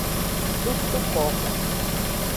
Tutuko oga